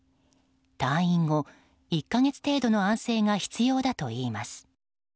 退院後、１か月程度の安静が必要だといいます。